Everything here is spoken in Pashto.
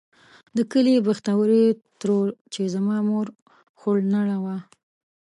د کلي بختورې ترور چې زما مور خورلڼه وه.